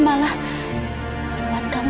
malah lewat kamu